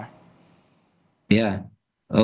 agar tidak terulang kejadian seperti ini pak koswara